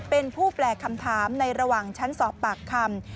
เป็นผู้แปลคำถามในระหว่างชั้นสอบปากคำ